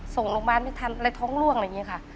ส่งลงบ้านไม่ทันแล้วท้องร่วงอะไรแบบนี้ค่ะ